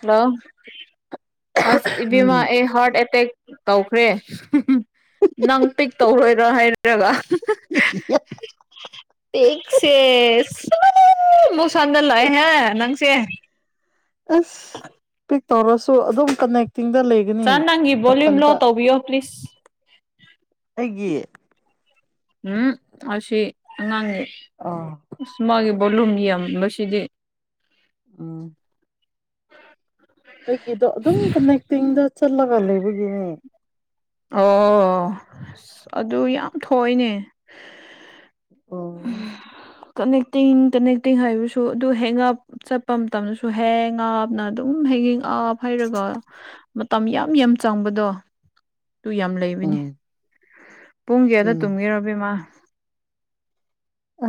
hello ꯑꯁ ꯏꯕ‌ꯦꯝꯃ ꯎꯝ ꯑꯩ ꯍꯥꯔꯠ ꯑꯦꯇ‌ꯦꯛ ꯇꯧꯈ꯭ꯔꯦ ꯅꯪ ꯄꯤꯛ ꯇꯧꯔꯣꯏꯔꯣ ꯍꯥꯏꯔꯔꯒ [unintelligible] ꯇꯦꯛꯁꯦ ꯁꯤ ꯃꯣꯁꯥꯥꯟꯗ ꯂꯩꯥ ꯍꯦ ꯅꯪꯁꯦ ꯑꯁ [unintelligible] ꯇꯧꯔꯁꯨ ꯑꯗꯨꯝ ꯀꯅꯦꯛꯇꯤꯡꯗ ꯂꯩ ꯆꯔ ꯅꯪꯒꯤ ꯕꯣꯂ꯭ꯌꯨꯝ ꯂꯣ ꯇꯧꯕꯤꯌꯣ ꯄ꯭ꯂꯤꯁ ꯑꯩꯒꯤ ꯎꯝ ꯑꯁꯤ ꯑꯉꯥꯡꯅꯤ ꯑꯥ ꯑꯁ ꯃꯥꯒꯤ ꯕꯣꯂꯨꯝ ꯌꯥꯝꯕꯁꯤꯗꯤ ꯎꯝ ꯑꯩꯒꯤꯗꯣ ꯑꯗꯨꯝ ꯀꯅꯦꯛꯇꯤꯡꯗ ꯆꯠꯂꯒ ꯂꯩꯕꯒꯤꯅꯦ ꯑꯣ ꯑꯁ ꯑꯗꯨ ꯌꯥꯝ ꯊꯣꯏꯏꯅꯦ ꯑꯣ ꯀꯅꯦꯛꯇꯤꯡ ꯀꯅꯦꯛꯇꯤꯡ ꯍꯥꯏꯕꯁꯨ ꯑꯗꯨ ꯍꯦꯡꯑꯞ ꯆꯠꯄ ꯃꯇꯝꯗꯁꯨ ꯍꯦꯡ ꯑꯥꯞꯅ ꯑꯗꯨꯝ ꯍꯌꯦꯡ ꯑꯥꯞ ꯅ ꯍꯩꯔꯒ ꯃꯇꯝ ꯌꯥꯝ ꯌꯥꯝ ꯆꯪꯕꯗꯣ ꯑꯗꯨꯨ ꯌꯥꯝ ꯎꯝ ꯂꯩꯕꯅꯤ ꯄꯨꯡ ꯀꯌꯥꯗ ꯎꯝ ꯇꯨꯝꯒꯦꯔꯥ ꯑꯕꯦꯝꯃꯥ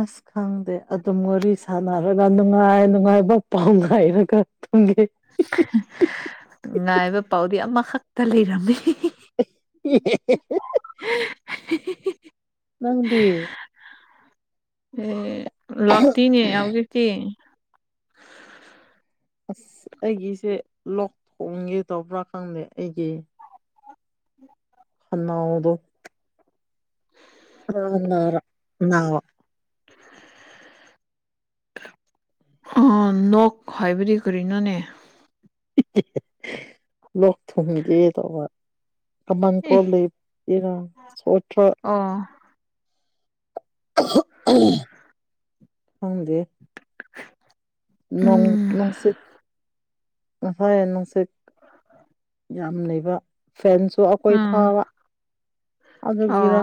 ꯑꯁ ꯈꯪꯗꯦ ꯑꯗꯨꯝ ꯋꯥꯔꯤ ꯁꯥꯟꯅꯔꯒ ꯅꯨꯡꯉꯥꯏ ꯅꯨꯡꯉꯥꯏꯕ ꯄꯥꯎ ꯉꯥꯏꯔꯒ ꯊꯨꯡꯒꯦꯍꯦ [unintelligible] ꯉꯥꯏꯕ ꯄꯥꯎꯗꯤ ꯑꯃꯈꯛꯇ ꯂꯩꯔꯝꯃꯤ ꯍꯦꯍꯦ [unintelligible] [unintelligible] ꯅꯪꯗꯤ ꯑꯦ ꯂꯥꯛꯇꯦꯅꯦ ꯍꯧꯖꯤꯛꯇꯤ ꯑꯁ ꯑꯩꯒꯤꯁꯦ ꯂꯣꯛ ꯊꯨꯡꯒꯦ ꯇꯧꯕ꯭ꯔꯥ ꯈꯪꯗꯦ ꯑꯩꯒꯤ ꯈꯅꯥꯎꯗꯣ ꯈꯅ ꯅꯔꯛ ꯅ ꯑ ꯅꯣꯛ ꯍꯥꯏꯕꯗꯤ ꯀꯔꯤꯅꯣꯅꯦ ꯂꯣꯛ ꯊꯨꯡꯒꯦ ꯇꯧꯕ ꯑꯦ [unintelligible] [unintelligible] [unintelligible] ꯑꯣ ꯈꯪꯗꯦ ꯎꯝ ꯅꯨꯡꯁꯤꯠ ꯉꯁꯥꯢ ꯅꯨꯡꯁꯤꯠ ꯌꯥꯝ ꯂꯩꯕ ꯐꯦꯟꯁꯨ ꯑꯩꯈꯣꯏ ꯎꯝ ꯊꯥꯕ ꯑꯣ ꯑꯗꯨꯒꯤꯔ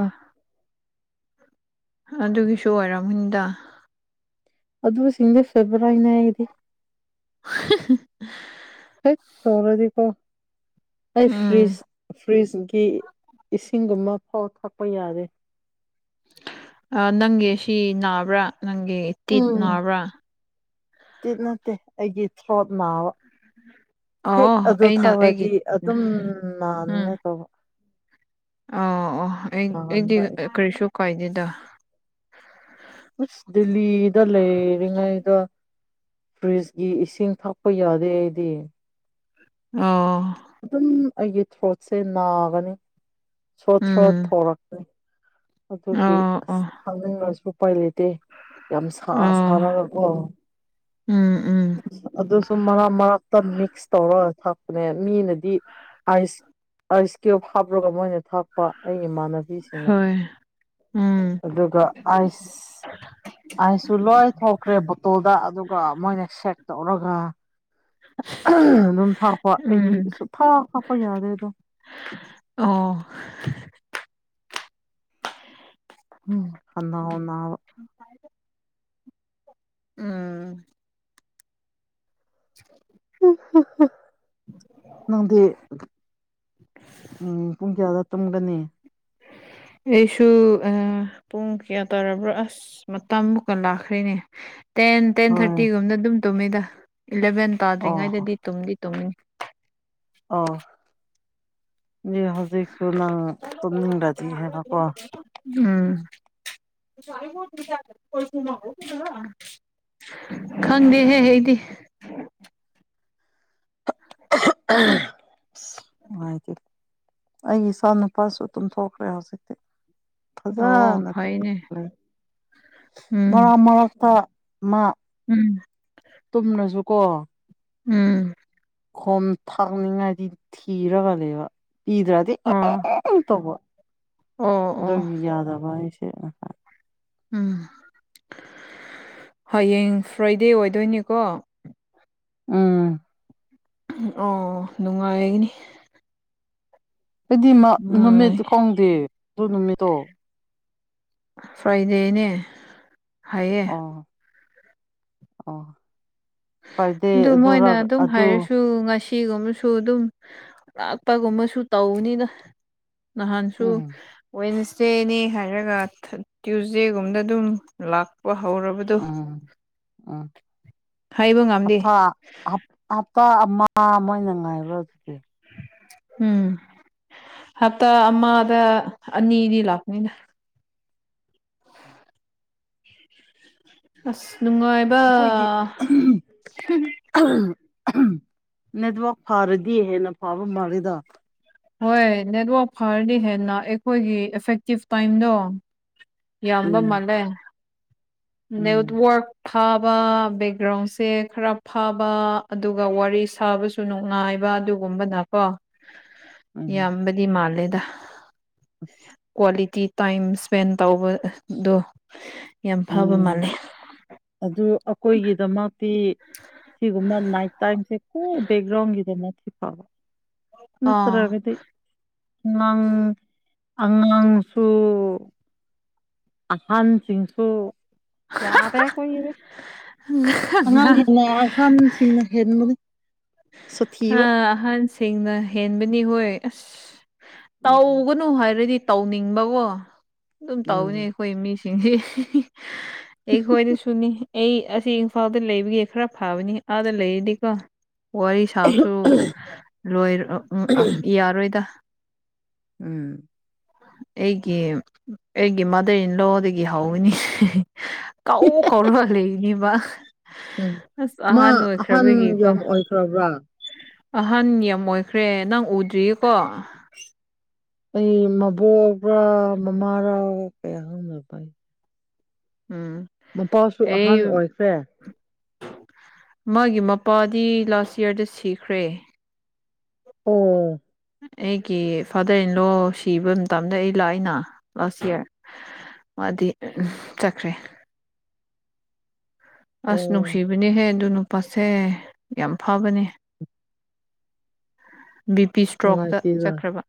ꯑꯗꯨꯒꯤꯁꯨ ꯑꯣꯏꯔꯝꯅꯤꯗ ꯑꯗꯨꯁꯤꯡꯗꯤ ꯐꯦꯕꯥꯎꯔꯥꯠꯅꯦ ꯑꯩꯗꯤ ꯍ [unintelligible] ꯑꯩ ꯇꯧꯔꯗꯤꯀꯣ ꯑꯩ ꯎꯝ ꯐꯔꯤꯁ ꯐ꯭ꯔꯤꯖꯀꯤ ꯏꯁꯤꯡꯒꯨꯝꯕ ꯐꯥꯎ ꯊꯥꯛꯄ ꯌꯥꯗꯦ ꯅꯪꯒꯤ ꯁꯤ ꯅꯥꯕ꯭ꯔꯥ ꯅꯪꯒꯤ ꯇꯤꯠ ꯎꯝ ꯅꯥꯕ꯭ꯔꯥ ꯇꯤꯠ ꯅꯠꯇꯦ ꯑꯩꯒꯤ ꯊ꯭ꯔꯣꯠ ꯅꯥꯕ ꯍꯦꯛ ꯑꯣ ꯑꯗꯨ ꯑꯩꯅ ꯑꯩꯒꯤ ꯊꯥꯑꯗꯤ ꯑꯗꯨꯝ ꯅꯅꯤꯡꯉꯥꯢ ꯇꯧꯕ ꯑ ꯑꯣ ꯑꯩ ꯑꯩꯗꯤ ꯅꯥꯒꯟꯕ ꯑꯩ ꯀꯔꯤꯁꯨ ꯀꯥꯏꯗꯦꯗ ꯍꯩꯁ ꯗꯦꯜꯂꯤꯗ ꯂꯩꯔꯤꯉꯩꯗꯣ ꯐ꯭ꯔꯤꯖꯀꯤ ꯏꯁꯤꯡ ꯊꯛꯄ ꯌꯥꯗꯦ ꯑꯩꯗꯤ ꯑꯣ ꯑꯗꯨꯝ ꯑꯩꯒꯤ ꯊ꯭ꯔꯣꯠꯁꯦ ꯅꯥꯒꯅꯤ ꯊ꯭ꯔꯣ ꯎꯝ ꯊꯣꯔꯛꯀꯅꯤ ꯑꯗꯨꯒꯤ ꯑꯣ ꯑꯁ ꯑꯣ ꯊꯥꯅꯤꯡꯉꯁꯨ ꯎꯄꯥꯏ ꯂꯩꯇꯦ ꯌꯥꯝ ꯁꯥ ꯑꯣ ꯁꯥꯔꯒꯀꯣ ꯎꯝ ꯎꯝ ꯑꯗꯨꯁꯨ ꯃꯔꯛ ꯃꯔꯛꯇ ꯃꯤꯛꯁ ꯇꯧꯔꯒ ꯊꯛꯄꯅꯦ ꯃꯤꯅꯗꯤ ꯑꯥꯏꯁ ꯑꯥꯏꯁ ꯀ꯭ꯌꯨꯕ ꯍꯥꯞꯄꯒ ꯃꯣꯏꯅ ꯊꯥꯛꯄ ꯑꯩꯒꯤ ꯏꯃꯥꯟꯅꯕꯤꯁꯤꯡꯅ ꯍꯣꯏ ꯎꯝ ꯑꯗꯨꯒ ꯑꯥꯏꯁ ꯑꯩꯁꯨ ꯂꯣꯏ ꯊꯣꯛꯈ꯭ꯔꯦ ꯕꯣꯇꯜꯗ ꯑꯗꯨꯒ ꯃꯣꯏꯅ ꯁꯦꯛ ꯇꯧꯔꯒ ꯑꯗꯨꯝ ꯊꯥꯛꯄ ꯎꯝ ꯑꯩꯗꯤ ꯁꯨꯡꯊꯥꯛ ꯊꯥꯛꯄ ꯌꯥꯗ꯭ꯔꯦ ꯑꯗꯣ ꯑꯣ ꯎꯝ ꯈꯥꯅꯧ ꯅꯕꯥ ꯎꯝ [inaudible] ꯎꯝ ꯎ [inaudible] ꯅꯪꯗꯤ ꯎꯝ ꯄꯨꯡ ꯀꯌꯥꯗ ꯇꯨꯝꯒꯅꯤ ꯑꯩꯁꯨ ꯄꯨꯡ ꯀꯌꯥ ꯇꯥꯔꯕ꯭ꯔꯣ ꯑꯁ ꯃꯇꯝ ꯃꯨꯛꯀ ꯂꯥꯛꯈ꯭ꯔꯦꯅꯦ ꯇꯦꯟ ꯇꯦꯟ ꯍꯣꯏ ꯊꯥꯔꯇꯤꯒꯨꯝꯅ ꯑꯗꯨꯝ ꯇꯨꯝꯃꯤꯗ ꯏꯂꯚꯦꯟ ꯑꯣ ꯇꯥꯗ꯭ꯔꯤꯉꯩꯗꯗꯤ ꯇꯨꯝꯗꯤ ꯇꯨꯝꯒꯅꯤ ꯑꯣ ꯍꯧꯖꯤꯛꯁꯨ ꯅꯪ ꯇꯨꯝꯅꯤꯡꯔꯗꯤ ꯍꯥꯏꯔꯛꯎꯒꯣ ꯎꯝ ꯈꯪꯗꯦꯍꯦ ꯑꯩꯗꯤ [unintelligible] ꯑꯩ ꯢꯁꯥꯃꯛ ꯅꯨꯄꯥꯁꯨ ꯇꯨꯝꯊꯣꯛꯈ꯭ꯔꯦ ꯍꯧꯖꯤꯛꯇꯤ ꯑꯣ ꯐꯖꯅ ꯐꯩꯅꯦ ꯇꯨꯝꯈ꯭ꯔꯦ ꯎꯝ ꯃꯔꯛ ꯃꯔꯛꯇ ꯃꯥ ꯎꯝ ꯇꯨꯝꯔꯁꯨ ꯀꯣ ꯎꯝ ꯈꯣꯝ ꯊꯥꯛꯅꯤꯡꯉꯥꯏꯒꯤ ꯊꯤꯔꯒ ꯂꯩꯕ ꯄꯤꯗ꯭ꯔꯗꯤ ꯑꯣ [unintelligible] ꯇꯧꯕ ꯑꯣ ꯑꯣ ꯑꯗꯨꯒꯤ ꯌꯥꯗꯕ ꯑꯩꯁꯦ ꯎꯝ ꯍꯌꯦꯡ ꯐ꯭ꯔꯥꯏꯗꯦ ꯑꯣꯏꯗꯣꯏꯅꯤꯀꯣ ꯎꯝ ꯑꯣ ꯅꯨꯡꯉꯥꯏꯒꯅꯤ ꯑꯩꯗꯤ ꯅꯨꯡꯉꯥꯏ ꯅꯨꯃꯤꯠꯁꯨ ꯈꯪꯗꯦ ꯑꯗꯨ ꯅꯨꯃꯤꯠꯇꯣ ꯐ꯭ꯔꯥꯏꯗꯦꯅꯦ ꯍꯥꯏꯌꯦ ꯑꯣ ꯑꯣ ꯐ꯭ꯔꯥꯏꯗꯦ ꯑꯗꯨ ꯑꯗꯨꯔ ꯃꯣꯏꯅ ꯑꯗꯨꯝ ꯑꯗꯨ ꯍꯥꯏꯔꯁꯨ ꯉꯁꯤ ꯁꯤꯒꯨꯝꯕꯁꯨ ꯑꯗꯨꯝ ꯂꯥꯛꯄꯒꯨꯝꯕꯁꯨ ꯇꯧꯅꯤꯗ ꯅꯍꯥꯟꯁꯨ ꯎꯝ ꯋꯦꯟꯁꯗꯦꯅꯤ ꯍꯥꯏꯔꯒ ꯇ꯭ꯌꯨꯁꯗꯦꯒꯨꯝꯗ ꯑꯗꯨꯝ ꯂꯥꯛ ꯍꯥꯎꯔꯕ ꯎꯝ ꯎꯝ ꯍꯥꯏꯕ ꯉꯝꯗꯦ ꯍꯥꯞꯊ ꯍꯞꯇꯥ ꯑꯃ ꯃꯣꯏꯅ ꯉꯥꯏꯕ꯭ꯔꯥ ꯑꯗꯨꯗꯤ ꯎꯝ ꯍꯞꯇꯥ ꯑꯃꯗ ꯑꯅꯤꯗꯤ ꯂꯥꯛꯄꯅꯤꯅ ꯑꯁ ꯅꯨꯡꯉꯥꯏꯕ ꯑꯩꯈꯣꯏꯒꯤ ꯅꯦꯠꯋꯥꯛ ꯐꯥꯔꯗꯤ ꯍꯦꯟꯅ ꯐꯕ ꯃꯥꯜꯂꯤꯗ ꯍꯣꯏ ꯅꯦꯠꯋꯥꯛ ꯐꯔꯗꯤ ꯍꯦꯟꯅ ꯑꯩꯈꯣꯏꯒꯤ ꯑꯦꯐꯦꯛꯇꯤꯞ ꯇꯥꯏꯝꯗꯣ ꯌꯥꯝꯕ ꯎꯝ ꯃꯥꯜꯂꯦ ꯎꯝ ꯅꯦꯠꯋꯥꯛ ꯐꯥꯕ ꯕꯦꯛꯒ꯭ꯔꯥꯎꯟꯁꯦ ꯈꯔ ꯐꯥꯕ ꯑꯗꯨꯒ ꯋꯥꯔꯤ ꯁꯥꯕꯁꯨ ꯁꯨ ꯅꯨꯡꯉꯥꯏꯕ ꯑꯗꯨꯒꯨꯝꯕꯅ ꯀꯣ ꯎꯝ ꯌꯥꯝꯕꯗꯤ ꯃꯥꯜꯂꯦꯗ ꯀ꯭ꯋꯥꯂꯤꯇꯤ ꯇꯥꯏꯝ ꯏꯁ꯭ꯄꯦꯟ ꯇꯧꯕꯗꯣ ꯌꯥꯝ ꯐꯕ ꯎꯝ ꯃꯥꯂꯦ ꯑꯗꯨ ꯑꯩꯈꯣꯏꯒꯤꯗꯃꯛꯇꯤ ꯁꯤꯒꯨꯝꯕ ꯅꯥꯏꯠ ꯇꯥꯏꯝꯁꯦ ꯀꯣꯏ ꯕꯦꯛꯒ꯭ꯔꯥꯎꯟꯒꯤꯗ ꯃꯊꯤ ꯐꯕ ꯑꯥ ꯅꯠꯇ꯭ꯔꯒꯗꯤ ꯑꯉꯥꯡ ꯑꯉꯥꯡꯁꯨ ꯑꯍꯟꯁꯤꯡꯁꯨꯁꯨ ꯌꯥꯗꯦ ꯑꯈꯣꯏꯒꯤꯗꯤ ꯑꯅ ꯑꯍꯥꯟꯁꯤꯡꯅ ꯍꯦꯟꯕꯅꯤ ꯁꯥꯊꯤꯕ ꯑꯍꯟꯁꯤꯡꯅ ꯍꯦꯟꯕꯅꯤ ꯍꯣꯏ ꯑꯁ ꯎꯝ ꯇꯧꯒꯅꯨ ꯍꯥꯏꯔꯗꯤ ꯇꯧꯅꯤꯡꯕꯀꯣ ꯑꯗꯨꯝ ꯇꯧꯅꯤ ꯎꯝ ꯑꯩꯈꯣꯏ ꯃꯤꯁꯤꯡꯁꯤ ꯑꯩꯈꯣꯏ ꯗꯁꯨꯅꯤ ꯑꯩ ꯑꯁꯤ ꯏꯝꯐꯥꯜꯗ ꯂꯩꯕꯒꯤ ꯈꯔ ꯐꯥꯕꯅꯤ ꯑꯥꯗ ꯂꯩꯔꯤꯗꯤꯀꯣ ꯋꯥꯔꯤ ꯁꯥ ꯁꯨ ꯂꯣꯏꯔ ꯌꯥꯔꯣꯏꯗ ꯎꯝ ꯑꯩꯒꯤ ꯑꯩꯒꯤ ꯃꯥꯗꯔ ꯏꯟ ꯂꯣꯗꯒꯤ ꯍꯧꯕꯅꯤ ꯀꯥꯎ ꯀꯧꯔ ꯂꯩꯅꯤꯕ ꯎꯝ ꯑꯁ ꯃꯥ ꯑꯍꯥꯟ ꯑꯍꯟ ꯑꯣꯏꯈ꯭ꯔꯕꯒꯤꯀꯣ ꯌꯥꯝ ꯑꯣꯏꯈ꯭ꯔꯕ꯭ꯔꯥ ꯑꯍꯟ ꯌꯥꯝ ꯑꯣꯏꯈ꯭ꯔꯦ ꯅꯪ ꯎꯗ꯭ꯔꯤꯌꯦꯀꯣ ꯑꯩ ꯃꯕꯣꯛꯕ꯭ꯔꯥ ꯃꯃꯥꯔꯥ ꯀꯌꯥ ꯍꯧꯅꯕꯥꯏ ꯎꯝ ꯃꯄꯥꯁꯨ ꯑꯩ ꯑꯍꯟ ꯑꯣꯏꯈ꯭ꯔꯦ ꯃꯥꯒꯤ ꯃꯄꯥꯗꯤ ꯂꯥꯁ ꯌꯥꯔꯗ ꯁꯤꯈ꯭ꯔꯦ ꯎꯝ ꯑꯩꯒꯤ ꯐꯥꯗꯔ ꯏꯟꯂꯣ ꯁꯤꯕ ꯃꯇꯝꯗ ꯑꯩ ꯂꯥꯛꯏꯅ ꯂꯥꯁ ꯏꯌꯥꯔ ꯃꯥꯗꯤ ꯎꯝ ꯆꯠꯈ꯭ꯔꯦ ꯑꯁ ꯑꯣ ꯅꯨꯡꯁꯤꯕꯅꯦꯍꯦ ꯑꯗꯨ ꯄꯣꯠꯁꯦ ꯌꯥꯝ ꯐꯥꯕꯅꯦ ꯕꯤ ꯄꯤ ꯏꯁꯇ꯭ꯔꯣꯛꯇ ꯅꯨꯡꯉꯥꯏꯇꯦꯗ ꯆꯠꯈ꯭ꯔꯕ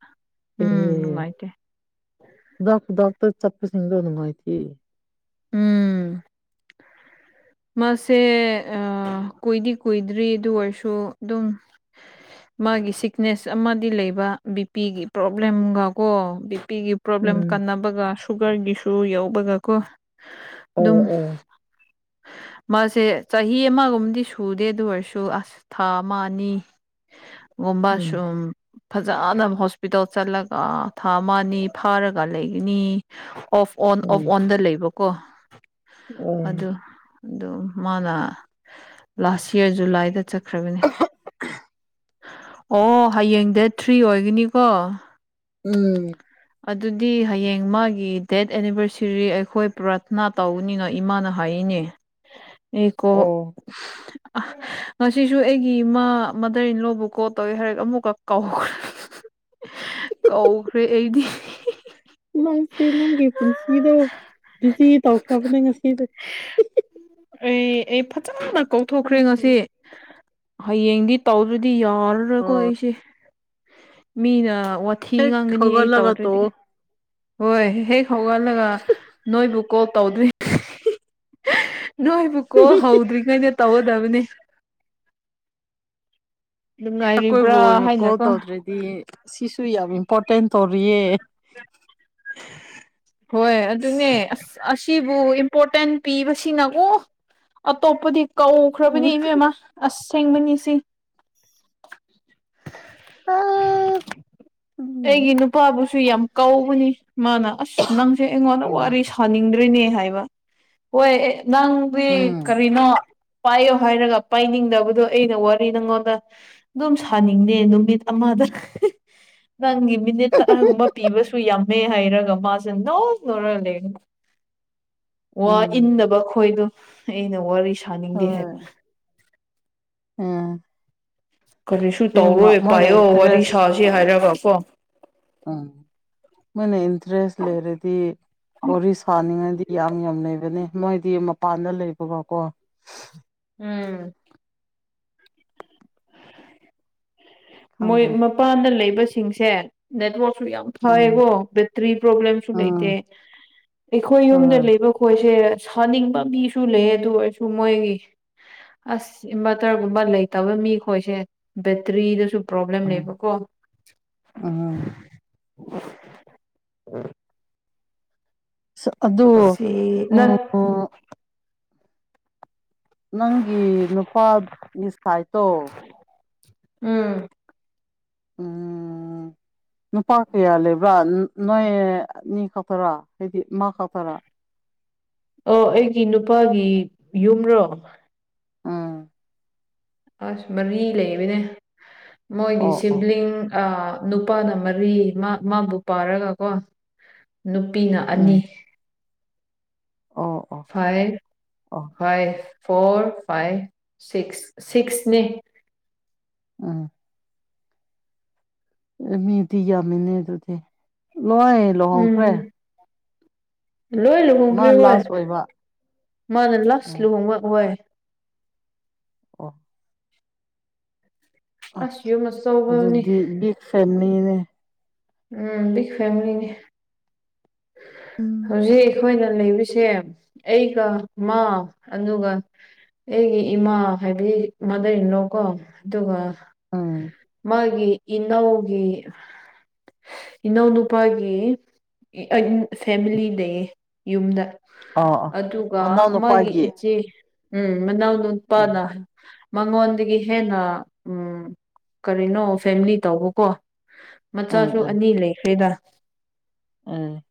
ꯎꯝ ꯅꯨꯡꯉꯥꯏꯇꯦ ꯈꯨꯗꯛ ꯈꯨꯗꯛꯇ ꯆꯠꯄꯤꯁꯤꯡꯗꯣ ꯅꯨꯉꯥꯏꯇꯦ ꯎꯝ ꯃꯥꯁꯦ ꯑꯥ ꯀꯨꯏꯗꯤ ꯀꯨꯏꯗ꯭ꯔꯤ ꯑꯗꯨ ꯑꯣꯏꯔꯁꯨ ꯑꯗꯨꯝ ꯃꯥꯒꯤ ꯁꯤꯛꯅꯦꯁ ꯑꯃꯗꯤ ꯂꯩꯕ ꯕꯤꯄꯤꯒꯤ ꯄ꯭ꯔꯣꯕ꯭ꯂꯦꯝꯒ ꯀꯣ ꯕꯤꯄꯤꯒꯤ ꯄ꯭ꯔꯣꯕ꯭ꯂꯦꯝ ꯎꯝ ꯀꯟꯅꯕꯒ ꯁꯨꯒꯔꯒꯤꯁꯨ ꯌꯧꯕꯒꯀꯣ ꯑꯣ ꯑꯣ ꯃꯥꯁꯦ ꯆꯍꯤ ꯑꯃꯒꯨꯝꯗꯤ ꯁꯨꯗꯦ ꯑꯗꯨ ꯑꯣꯏꯔꯁꯨ ꯑꯁ ꯊꯥ ꯑꯃ ꯑꯅꯤ ꯒꯨꯝꯕ ꯎꯝ ꯁꯨꯝ ꯐꯥꯖꯅ ꯍꯣꯁꯄꯤꯇꯥꯜ ꯆꯠꯂꯒ ꯊꯥ ꯑꯃ ꯑꯅꯤ ꯐꯥꯔꯒ ꯂꯩꯒꯅꯤ ꯑꯣꯐ ꯑꯣꯟ ꯑꯣꯐ ꯎꯝ ꯑꯣꯟꯗ ꯂꯩꯕꯀꯣ ꯑꯣ ꯑꯗꯨ ꯑꯗꯨ ꯃꯥꯅ ꯂꯥꯁ ꯏꯌꯥꯔ ꯖꯨꯂꯥꯏꯗ ꯆꯠꯈ꯭ꯔꯕꯅꯦ ꯑꯣ ꯍꯌꯦꯡ ꯗꯦꯠ ꯊ꯭ꯔꯤ ꯑꯣꯏꯒꯅꯤꯀꯣ ꯎꯝ ꯑꯗꯨꯗꯤ ꯍꯌꯦꯡ ꯃꯥꯒꯤ ꯗꯦꯠ ꯑꯦꯅꯤꯚꯔꯁꯔꯤ ꯑꯩꯈꯣꯏ ꯄ꯭ꯔꯥꯊꯅꯥ ꯇꯧꯅꯤ ꯅꯣꯏ ꯏꯃꯥꯅ ꯍꯥꯏꯌꯦꯅꯦ ꯑꯩ ꯀꯣ ꯑꯣ ꯉꯁꯤꯁꯨ ꯑꯩꯒꯤ ꯏꯃꯥ ꯃꯙꯔ ꯏꯂꯣꯕꯨ ꯀꯣ ꯇꯧꯋꯦ ꯍꯥꯏꯔꯛ ꯑꯃꯨꯛꯀ ꯀꯥꯎꯈ꯭ꯔꯦ ꯀꯧꯈ꯭ꯔꯦ ꯑꯩꯗꯤ ꯅꯪꯁꯦ ꯅꯪꯒꯤ ꯄꯨꯟꯁꯤꯗꯣ ꯕꯤꯖꯤ ꯇꯧꯈ꯭ꯔꯕꯅꯦ ꯉꯁꯤꯗꯤ ꯑꯦ ꯑꯩ ꯐꯥꯖꯅ ꯀꯥꯎꯊꯣꯛꯈ꯭ꯔꯦ ꯈꯪꯗꯦ ꯉꯁꯤ ꯍꯌꯦꯡꯗꯤ ꯇꯧꯗ꯭ꯔꯗꯤ ꯌꯥꯔꯔꯣꯏꯀꯣ ꯑꯣ ꯑꯩꯁꯦ ꯃꯤꯅ ꯋꯥꯊꯤ ꯍꯦꯛ ꯉꯥꯡꯒꯅꯤ ꯑꯩ ꯍꯧꯒꯠꯂꯒ ꯇꯧꯗ꯭ꯔꯗꯤ ꯇꯧꯑꯣ ꯍꯣꯏ ꯍꯦꯛ ꯍꯧꯒꯠꯂꯒ ꯅꯣꯏꯕꯨ ꯀꯣꯜ ꯇꯧꯗ꯭ꯔꯤ ꯅꯣꯏꯕꯨ ꯀꯣꯜ ꯍꯧꯗ꯭ꯔꯤꯉꯩꯩꯅ ꯇꯧꯒꯗꯕꯅꯦ ꯑꯀꯣꯏꯕꯨ ꯅꯨꯡꯉꯥꯏꯔꯤꯕ꯭ꯔꯥ ꯑꯣꯏꯅ ꯀꯣꯜ ꯍꯥꯏꯅꯀꯣ ꯇꯧꯗ꯭ꯔꯗꯤ ꯁꯤꯁꯨ ꯌꯥꯝ ꯏꯝꯄꯣꯔꯇꯦꯟ ꯇꯧꯔꯤꯌꯦ ꯍꯣꯏ ꯑꯗꯨꯅꯦ ꯑꯁ ꯑꯁꯤꯕꯨ ꯏꯝꯄꯣꯔꯇꯦꯟ ꯄꯤꯕꯁꯤꯅꯀꯣ ꯑꯇꯣꯞꯄꯗꯤ ꯀꯧꯈ꯭ꯔꯕꯅꯤ ꯎꯝ ꯏꯕꯦꯝꯃ ꯑꯁꯁꯦꯡꯕꯅꯤ ꯁꯤ ꯎꯝ ꯑꯩꯒꯤ ꯅꯨꯄꯥꯕꯨꯁꯨ ꯁꯨ ꯌꯥꯝ ꯀꯧꯕꯅꯤ ꯃꯥꯅ ꯑꯁ ꯅꯪꯁꯦ ꯑꯩꯉꯣꯟꯗ ꯋꯥꯔꯤ ꯁꯥꯅꯤꯡꯗꯦ ꯅꯦ ꯍꯥꯏꯕ ꯍꯣꯏ ꯑꯦ ꯅꯪꯗꯤ ꯎꯝ ꯀꯔꯤꯅꯣ ꯄꯥꯏꯌꯣ ꯍꯥꯏꯔꯒ ꯄꯥꯏꯅꯤꯡꯗꯕꯗꯣ ꯑꯩꯅ ꯋꯥꯔꯤ ꯅꯪꯉꯣꯟꯗ ꯑꯗꯨꯝ ꯁꯥꯅꯤꯡꯗꯦ ꯅꯨꯃꯤꯠ ꯑꯃꯗ ꯅꯪꯒꯤ ꯃꯤꯅꯤꯠ ꯇꯔꯥꯒꯨꯝꯕ ꯄꯤꯕꯁꯨ ꯌꯥꯝꯃꯦ ꯍꯥꯏꯔꯒ ꯃꯥꯁꯦ ꯅꯣ ꯅꯣꯛꯔꯂꯒ ꯂꯩꯕꯅꯤ ꯋꯥ ꯎꯝ ꯏꯟꯗꯕ ꯈꯣꯏꯗꯣ ꯑꯩꯅ ꯋꯥꯔꯤ ꯁꯥꯅꯤꯡꯗꯦ ꯍꯥꯏꯕ ꯍꯣꯏ ꯎꯝ ꯀꯔꯤꯁꯨ ꯁꯦꯡꯕ ꯇꯧꯔꯣꯏ ꯃꯣꯏꯅ ꯄꯥꯏꯌꯣ ꯋꯥꯔꯤ ꯏꯟꯇꯔꯦꯁ ꯁꯥꯁꯤ ꯍꯥꯏꯔꯒ ꯀꯣ ꯎꯝ ꯃꯣꯏꯅ ꯏꯟꯇꯔꯦꯁ ꯂꯩꯔꯗꯤ ꯋꯥꯔꯤ ꯁꯥꯅꯤꯡꯉꯥꯗꯤ ꯌꯥꯝ ꯌꯥꯝ ꯂꯩꯕꯅꯦ ꯃꯣꯏꯗꯤ ꯃꯄꯥꯟꯗ ꯂꯩꯕꯒ ꯀꯣ ꯎꯝ ꯃꯣꯏ ꯈꯪꯗ꯭ꯔꯦꯗ ꯃꯄꯥꯟꯗ ꯂꯩꯕꯁꯤꯡꯁꯦ ꯅꯦꯠꯋꯔꯛꯁꯨ ꯌꯥꯝ ꯎꯝ ꯐꯌꯦꯀꯣ ꯕꯦꯇ꯭ꯔꯤ ꯄ꯭ꯔꯣꯕ꯭ꯂꯦꯝꯁꯨ ꯂꯩꯇꯦ ꯎꯝ ꯑꯩꯈꯣꯏ ꯌꯨꯝꯗ ꯍꯣꯏ ꯂꯩꯕ ꯈꯣꯏꯁꯦ ꯁꯥꯅꯤꯡꯕ ꯃꯤꯁꯨ ꯂꯩ ꯑꯗꯨ ꯑꯣꯏꯔꯁꯨ ꯃꯣꯏꯒꯤ ꯑꯁ ꯏꯟꯚꯔꯇꯔꯒꯨꯝꯕ ꯂꯩꯇꯕ ꯃꯤꯈꯣꯏꯁꯦ ꯕꯦꯇ꯭ꯔꯤꯗꯁꯨ ꯄ꯭ꯔꯣꯕ꯭ꯂꯦꯝ ꯎꯝ ꯂꯩꯕꯀꯣ ꯎꯝ ꯑꯗꯨ ꯁꯤ ꯎꯝ ꯅꯪ ꯅꯪꯒꯤ ꯅꯨꯄꯥꯒꯤ ꯁꯥꯏꯠꯇꯣ ꯎꯝ ꯎꯝꯝ ꯅꯨꯄꯥ ꯀꯌꯥ ꯂꯩꯕ꯭ꯔꯥ ꯅꯣꯏꯑꯅꯤ ꯈꯛꯇꯔꯥ ꯍꯥꯏꯗꯤ ꯃꯥ ꯈꯛꯇꯔꯥ ꯑꯣ ꯑꯩꯒꯤ ꯅꯨꯄꯥꯒꯤ ꯌꯨꯝꯔꯣ ꯎꯝ ꯑꯁ ꯃꯔꯤ ꯂꯩꯕꯅꯦ ꯃꯣꯏꯒꯤ ꯑꯣ ꯑꯣ ꯁꯤꯕ꯭ꯂꯤꯡ ꯑ ꯅꯨꯄꯥꯅ ꯃꯔꯤ ꯃ ꯃꯥꯕꯨ ꯄꯥꯔꯒꯀꯣ ꯅꯨꯄꯤꯅ ꯑꯅꯤ ꯎꯝ ꯑꯣ ꯑꯣ ꯐꯥꯏꯚ ꯑꯣ ꯐꯥꯏꯚ ꯐꯣꯔ ꯐꯥꯏꯚ ꯁꯤꯛꯁ ꯁꯤꯛꯁꯅꯦ ꯎꯝ ꯃꯤꯗꯤ ꯌꯝꯃꯤꯅꯦ ꯑꯗꯨꯗꯤ ꯂꯣꯢ ꯎꯝ ꯂꯣꯏ ꯃꯥ ꯂꯨꯍꯣꯡꯈ꯭ꯔꯦ ꯍꯣꯏ ꯂꯥꯁ ꯑꯣꯏꯕ ꯃꯥꯅ ꯂꯁ ꯎꯝ ꯂꯨꯍꯣꯡꯕ ꯍꯣꯏ ꯑꯣ ꯑ ꯑꯁ ꯌꯨꯝ ꯑꯆꯧꯕꯅꯤ ꯑꯗꯨꯗꯤ ꯕꯤꯛ ꯐꯦꯟꯅꯤꯅꯦ ꯎꯝ ꯕꯤꯛ ꯐꯦꯃꯤꯂꯤꯅꯤ ꯎꯝ ꯍꯧꯖꯤꯛ ꯑꯩꯈꯣꯏꯅ ꯂꯩꯕꯁꯦ ꯑꯩꯒ ꯃꯥ ꯑꯗꯨꯒ ꯑꯩꯒꯤ ꯏꯃꯥ ꯍꯥꯏꯕꯗꯤ ꯃꯗꯔ ꯏꯟ ꯂꯣ ꯀꯣ ꯑꯗꯨꯒ ꯎꯝ ꯃꯥꯒꯤ ꯏꯅꯧꯒꯤ ꯏꯅꯥꯎ ꯅꯨꯄꯥꯒꯤ [unintelligible] ꯐꯦꯃꯤꯂꯤꯗꯦ ꯌꯨꯝꯗ ꯑꯣ ꯑꯣ ꯑꯗꯨꯒ ꯃꯅꯥꯎ ꯃꯥꯒꯤ ꯅꯨꯄꯥꯒꯤ ꯏꯆꯦ ꯎꯝ ꯃꯅꯥꯎ ꯎꯝ ꯅꯨꯄꯥꯅ ꯃꯉꯣꯟꯗꯒꯤ ꯍꯦꯟꯅ ꯎꯝ ꯀꯔꯤꯅꯣ ꯐꯦꯃꯤꯂꯤ ꯇꯧꯕꯀꯣ ꯎꯝ ꯃꯆꯥꯁꯨ ꯎꯝ ꯑꯅꯤ ꯂꯩꯈ꯭ꯔꯦꯗ ꯎꯝ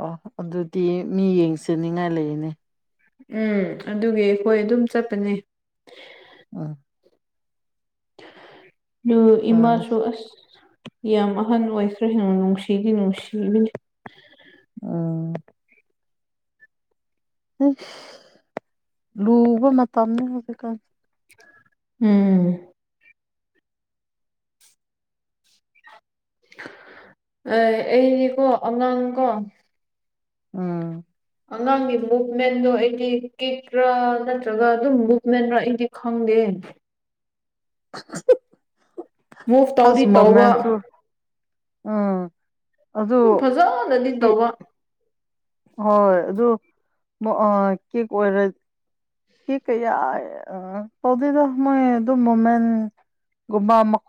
ꯑꯣ ꯑꯗꯨꯗꯤ ꯃꯤ ꯌꯦꯡꯁꯅꯤꯡꯉꯥꯏ ꯂꯩꯅꯦ ꯎꯝ ꯑꯗꯨꯒꯤ ꯑꯩꯈꯣꯏ ꯑꯗꯨꯝ ꯆꯠꯄꯅꯦ ꯎꯝ ꯑꯗꯨ ꯑ ꯏꯃꯥꯁꯨ ꯑꯁ ꯌꯥꯝ ꯑꯍꯟ ꯑꯣꯏꯈ꯭ꯔꯦ ꯅꯨꯡꯁꯤꯒꯤ ꯅꯨꯡꯁꯤꯕꯅꯤ ꯎꯝ ꯑꯩꯁ ꯂꯨꯕ ꯃꯇꯝꯅꯤ ꯍꯨꯖꯤꯛꯀꯥꯟ ꯎꯝ ꯑ ꯑꯩꯗꯤꯀꯣ ꯑꯉꯥꯡꯀꯣ ꯎꯝ ꯑꯉꯥꯡꯒꯤ ꯃꯨꯞꯃꯦꯟꯗꯣ ꯑꯩꯗꯤ ꯀꯤꯛꯔꯥ ꯅꯠꯇ꯭ꯔꯒ ꯑꯗꯨꯝ ꯃꯨꯞꯃꯦꯟꯔꯥ ꯑꯩꯗꯤ ꯈꯪꯗꯦ ꯃꯨꯚ [unintelligible] ꯑꯁ ꯇꯧꯗꯤ ꯇꯧꯕ ꯃꯣꯚꯃꯦꯟꯠꯁꯨ ꯎꯝ ꯑꯗꯨ ꯐꯖꯥꯅꯗꯤ ꯀꯦꯛ ꯇꯧꯕ ꯍꯣꯏ ꯑꯗꯨ [unintelligible] ꯀꯤꯛ ꯑꯣꯏꯔ ꯀꯤꯛ ꯀꯩꯌꯥ ꯑꯥ ꯀꯧꯗꯦꯗ ꯃꯣꯏ ꯑꯗꯨꯝ ꯃꯣꯃꯦꯟꯠ ꯒꯨꯨꯝꯕ ꯃꯛ